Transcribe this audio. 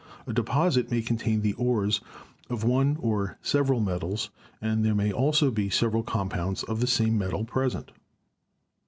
A deposit may contain the ores of one or several metals, and there may also be several compounds of the same metal present."